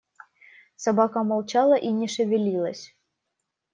Собака молчала и не шевелилась.